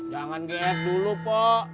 jangan kiep dulu pok